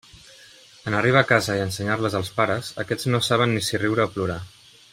En arribar a casa i ensenyar-les als pares, aquests no saben si riure o plorar.